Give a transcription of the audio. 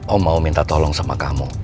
oh mau minta tolong sama kamu